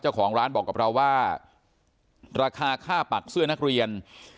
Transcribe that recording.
เจ้าของร้านบอกกับเราว่าราคาค่าปักเสื้อนักเรียน